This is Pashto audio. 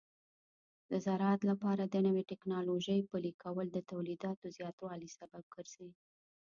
د زراعت لپاره د نوې ټکنالوژۍ پلي کول د تولیداتو زیاتوالي سبب ګرځي.